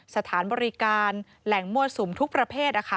สถานบริการแหล่งมั่วสุมทุกประเภท